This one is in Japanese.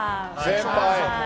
先輩！